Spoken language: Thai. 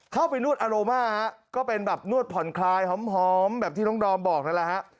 เข้าไปนวดอารม่าฮะก็เป็นแบบนวดผ่อนคลายหอมแบบที่น้องดอมบอกนั่นแหละฮะ